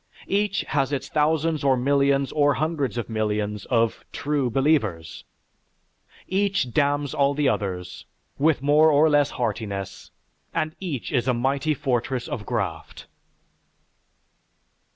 Each has its thousands or millions or hundreds of millions of "true believers"; each damns all the others, with more or less heartiness, and each is a mighty fortress of Graft.